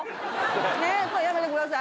ねっこれやめてください。